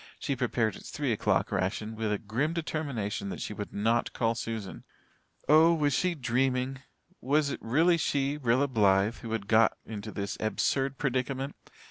She prepared its three o'clock ration with a grim determination that she would not call Susan. Oh, was she dreaming? Was it really she, Rilla Blythe, who had got into this absurd predicament?